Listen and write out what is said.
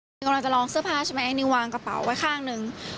นิวกำลังจะลองเสื้อผ้าใช่ไหมไอนิววางกระเป๋าไว้ข้างหนึ่ง